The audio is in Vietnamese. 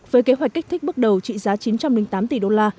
với kế hoạch kích thích bước đầu trị giá chín trăm linh tám tỷ đô la